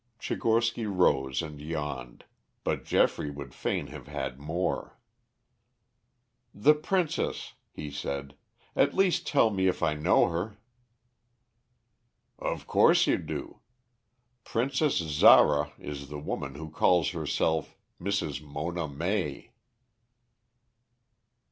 Tchigorsky rose and yawned, but Geoffrey would fain have had more. "The princess," he said; "at least tell me if I know her." "Of course you do. Princess Zara is the woman who calls herself Mrs. Mona May."